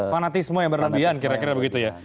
fanatisme yang berlebihan kira kira begitu ya